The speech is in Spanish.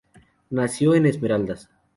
Nació en Esmeraldas.